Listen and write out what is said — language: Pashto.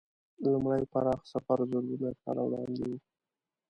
لومړی پراخ سفر زرګونه کاله وړاندې و.